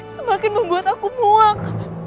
semakin membuat aku muak